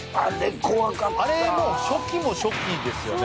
あれもう初期も初期ですよね